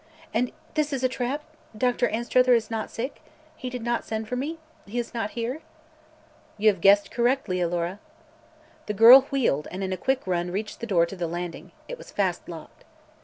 "And this is a trap? Doctor Anstruther is not sick? He did not send for me? He is not here?" "You have guessed correctly, Alora." The girl wheeled and in a quick run reached the door to the landing. It was fast locked.